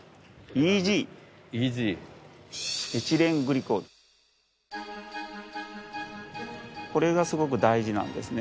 ＥＧこれがすごく大事なんですね